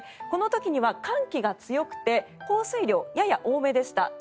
この時には寒気が強くて降水量やや多めでした。